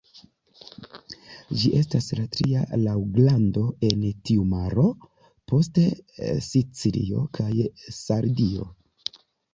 Ĝi estas la tria laŭ grando en tiu maro post Sicilio kaj Sardio.